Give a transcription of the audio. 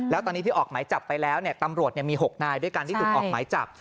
แล้วตอนนี้ที่ออกหมายจับไปแล้วตำรวจมี๖นายด้วยกันที่ถูกออกหมายจับ